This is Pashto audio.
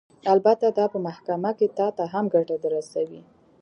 البته دا به په محکمه کښې تا ته هم ګټه درورسوي.